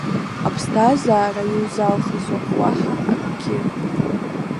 Аԥсҭазаара иузалхыз ауп уаҳа акгьы!